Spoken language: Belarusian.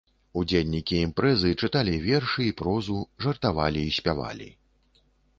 Удзельнікі імпрэзы чыталі вершы і прозу, жартавалі і спявалі.